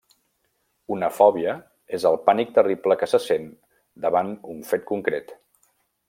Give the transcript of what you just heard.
Una fòbia és el pànic terrible que se sent davant un fet concret.